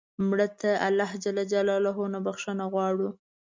مړه ته الله ج نه بخښنه غواړو